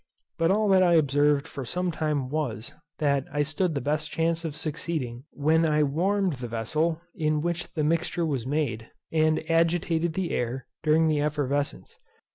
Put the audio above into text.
But all that I observed for some time was, that I stood the best chance of succeeding when I warmed the vessel in which the mixture was made, and agitated the air during the effervescence.